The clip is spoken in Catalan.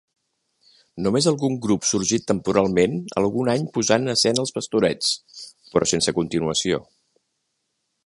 Només algun grup sorgit temporalment algun any posà en escena els Pastorets, però sense continuació.